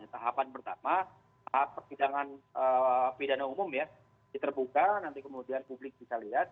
tahapan pertama tahap persidangan pidana umum ya diterbuka nanti kemudian publik bisa lihat